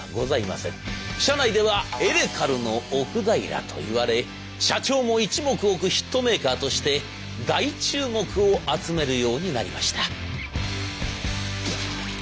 社内では「エレカルの奥平」と言われ社長も一目置くヒットメーカーとして大注目を集めるようになりました。